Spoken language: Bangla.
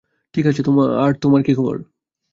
ঠিক আছে, আর তোমার কী খবর?